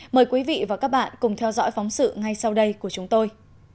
mời quý vị và các bạn cùng theo dõi phóng sự ngay sau đây của chúng tôi